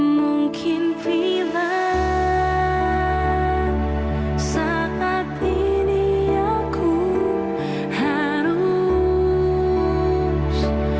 mungkin bila saat ini aku harus